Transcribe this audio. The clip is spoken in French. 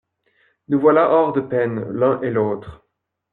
Nous voilà hors de peine, l'un et l'autre.